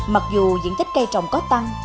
mặc dù diện tích cây trồng có tăng